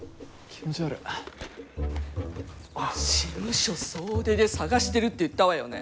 事務所総出で探してるって言ったわよね？